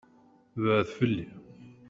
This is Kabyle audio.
Beɛɛed fell-i!